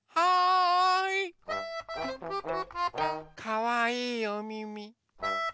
かわいいおみみ。